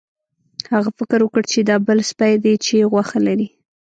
هغه فکر وکړ چې دا بل سپی دی چې غوښه لري.